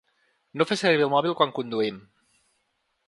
No fer servir el mòbil quan conduïm.